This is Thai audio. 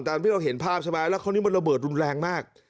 ตามที่เราเห็นภาพใช่ไหมแล้วคราวนี้มันระเบิดรุนแรงมาก